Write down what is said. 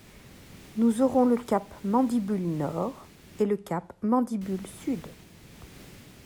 nous aurons le cap Mandibule-Nord et le cap Mandibule-Sud